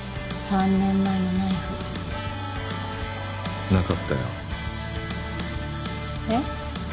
３年前のナイフなかったよえっ？